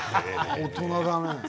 大人だな。